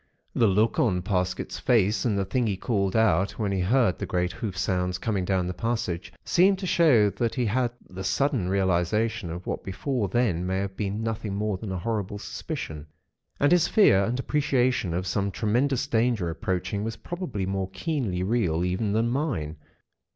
"The look on Parsket's face, and the thing he called out, when he heard the great hoof sounds coming down the passage, seem to show that he had the sudden realisation of what before then may have been nothing more than a horrible suspicion. And his fear and appreciation of some tremendous danger approaching was probably more keenly real even than mine.